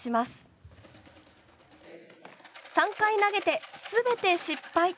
３回投げて全て失敗。